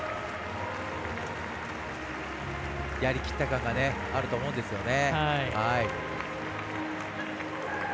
やりきった感があると思うんですよね。